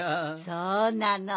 そうなの。